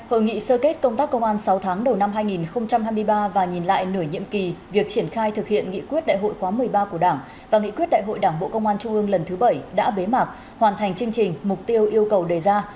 hội nghị sơ kết công tác công an sáu tháng đầu năm hai nghìn hai mươi ba và nhìn lại nửa nhiệm kỳ việc triển khai thực hiện nghị quyết đại hội khóa một mươi ba của đảng và nghị quyết đại hội đảng bộ công an trung ương lần thứ bảy đã bế mạc hoàn thành chương trình mục tiêu yêu cầu đề ra